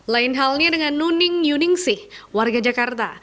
lain halnya dengan nuning yuningsih warga jakarta